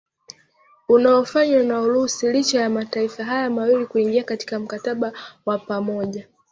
unaofanywa na urusi licha mataifa hayo mawili kuingia katika mkataba wa pamoja